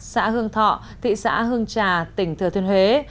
xã hương thọ thị xã hương trà tỉnh thừa thiên huế